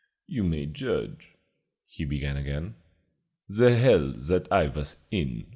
"You may judge," he began again, "the hell that I was in.